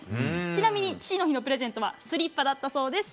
ちなみに、父の日のプレゼントはスリッパだったそうです。